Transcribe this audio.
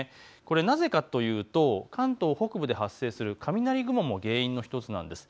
なぜかというと関東北部で発生する雷雲が原因の１つです。